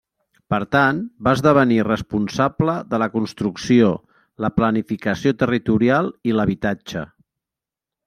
Per tant, va esdevenir responsable de la construcció, la planificació territorial i l'habitatge.